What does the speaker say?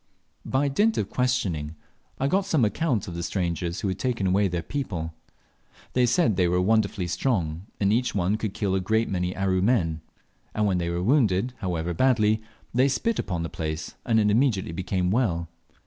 By dint of questioning, I got some account of the strangers who had taken away their people. They said they were wonderfully strong, and each one could kill a great many Aru men; and when they were wounded, however badly, they spit upon the place, and it immediately became well.